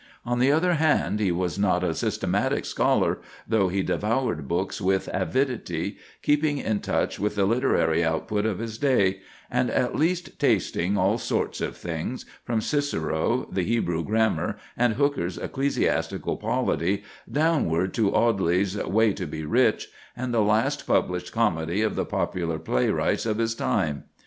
On the other hand, he was not a systematic scholar, though he devoured books with avidity, keeping in touch with the literary output of his day, and at least tasting all sorts of things, from Cicero, the Hebrew grammar, and Hooker's "Ecclesiastical Polity," downward to Audley's "Way to be Rich," and the last published comedy of the popular playwrights of his time.